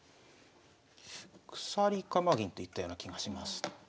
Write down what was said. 鎖鎌銀といったような気がします。